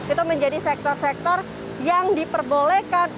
itu menjadi sektor sektor yang diperbolehkan